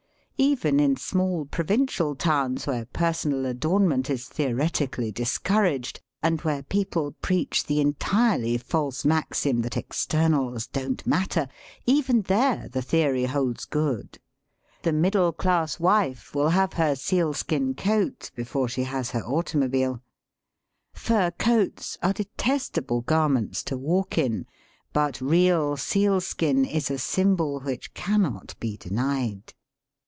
Even in small provincial towns where personal adorn ment is theoretically discouraged, and where peo ple preach the entirely false maxim that exter nals don't matter — even there the theory holds good. The middle class wife will have her seal skin coat before she has her automobile. Fur coats are detestable garments to walk in, but real sealskin is a sjrmbol which cannot be denied.